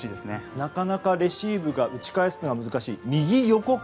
なかなかレシーブを打ち返すのが難しい。